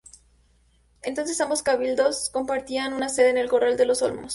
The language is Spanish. Entonces, ambos cabildos compartían su sede en el corral de los Olmos.